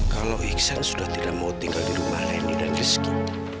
kalau iksan sudah tidak mau tinggal di rumah leni dan rizky